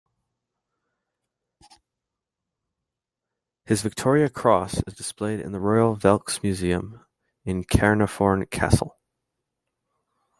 His Victoria Cross is displayed in the Royal Welch Fusiliers Museum in Caernarfon Castle.